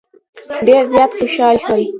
ډېر زیات خوشال شول.